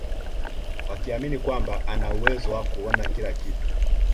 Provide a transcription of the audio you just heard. Wakiamini kwamba ana uwezo wa kuona kila kitu